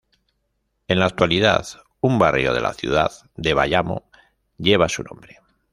En la actualidad, un barrio de la ciudad de Bayamo lleva su nombre.